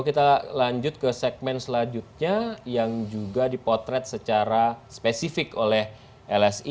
kita lanjut ke segmen selanjutnya yang juga dipotret secara spesifik oleh lsi